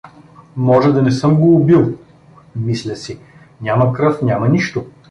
Може да не съм го убил, мисля си, няма кръв, няма нищо.